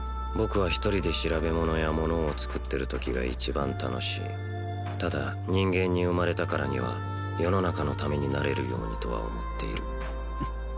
僕は１人で調べものや物を作ってるときが一番楽しいただ人間に生まれたからには世の中のためになれるようにとは思っている